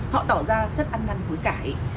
họ tỏ ra rất ăn năn với cãi